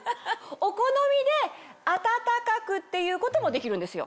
お好みで温かくっていうこともできるんですよ。